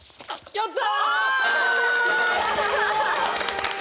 やった！